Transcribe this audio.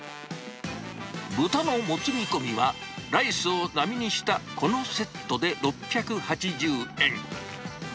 豚のもつ煮込みは、ライスを並みにしたこのセットで６８０円。